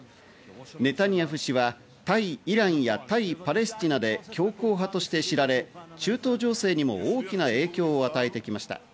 ネタニヤフ氏は対イランや対パレスチナで強硬派として知られ、中東情勢にも大きな影響を与えてきました。